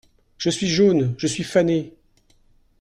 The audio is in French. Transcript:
Je suis jaune ! je suis fané !